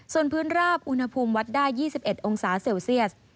ส่วนพื้นราบอุณหภูมิวัดได้๒๑องศาเซลเซียส